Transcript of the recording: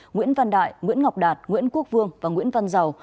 nguyễn văn đại nguyễn ngọc đạt nguyễn quốc vương và nguyễn văn giàu